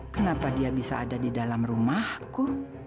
kenapa dia bisa ada di dalam rumahku